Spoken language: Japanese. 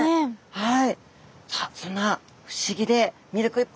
はい。